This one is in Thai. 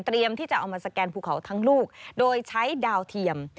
ที่จะเอามาสแกนภูเขาทั้งลูกโดยใช้ดาวเทียม